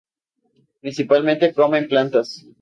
Principalmente comen plantas.